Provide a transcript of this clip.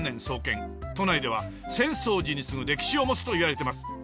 都内では浅草寺に次ぐ歴史を持つといわれてます。